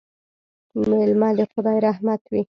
مېلمه د خدای رحمت وي